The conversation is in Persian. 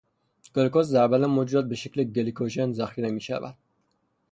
گلوکز در بدن موجودات به شکل گلیکوژن ذخیره می شود.